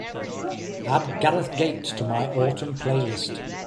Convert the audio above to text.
add gareth gates to my autumn playlist